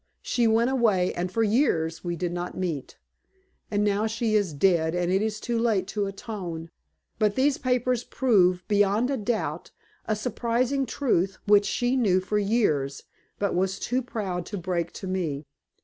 She went away, and for years we did not meet. And now she is dead, and it is too late to atone! But these papers prove, beyond a doubt, a surprising truth, which she knew for years, but was too proud to break to me.